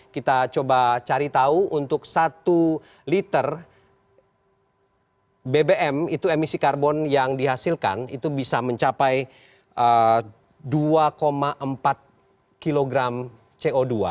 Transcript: kita coba cari tahu untuk satu liter bbm itu emisi karbon yang dihasilkan itu bisa mencapai dua empat kg co dua